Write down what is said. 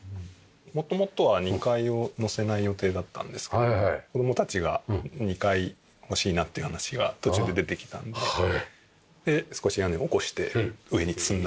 元々は２階を載せない予定だったんですけど子供たちが２階欲しいなっていう話が途中で出てきたので少し屋根を起こして上に積んだ。